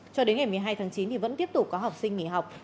cho đến ngày một mươi hai tháng chín thì vẫn tiếp tục có học sinh nghỉ học